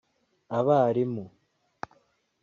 abarimu